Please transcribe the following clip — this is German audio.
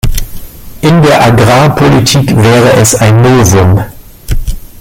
In der Agrarpolitik wäre es ein Novum.